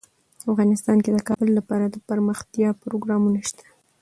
افغانستان کې د کابل لپاره دپرمختیا پروګرامونه شته.